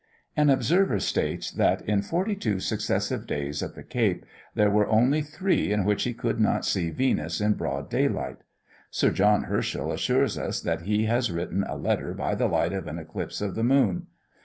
An observer states that in forty two successive days at the Cape, there were only three in which he could not see Venus in broad daylight. Sir John Herschel assures us that he has written a letter by the light of an eclipse of the moon.